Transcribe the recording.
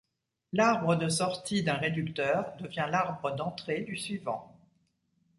L'arbre de sortie d'un réducteur devient l'arbre d'entrée du suivant.